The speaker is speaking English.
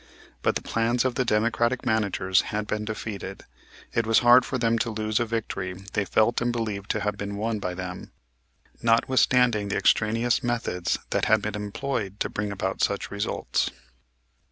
But the plans of the Democratic managers had been defeated. It was hard for them to lose a victory they felt and believed to have been won by them, notwithstanding the extraneous methods that had been employed to bring about such results.